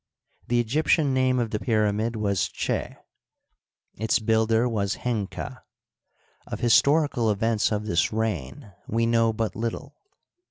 The Egyptian name of the pyramid was Chd ; its builder was Henka, Of his torical events of this reign we know but little.